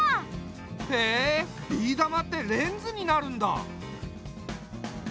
へえビー玉ってレンズになるんだ。